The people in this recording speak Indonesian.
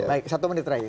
baik satu menit lagi